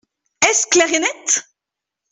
Est-ce clair et net ?